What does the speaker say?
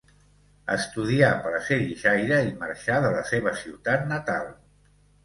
Estudià per a ser guixaire i marxà de la seva ciutat natal.